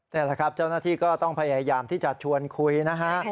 นี่แหละครับเจ้าหน้าที่ก็ต้องพยายามที่จะชวนคุยนะฮะ